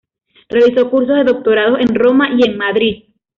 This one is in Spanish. Realizó cursos de doctorado en Roma y en Madrid.